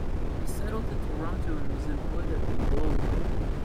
He settled in Toronto and was employed at "The Globe".